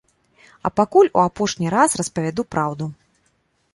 А пакуль у апошні раз распавяду праўду.